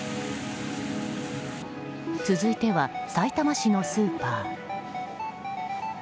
続いては、さいたま市のスーパー。